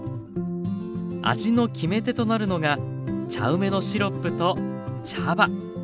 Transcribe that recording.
味の決め手となるのが茶梅のシロップと茶葉！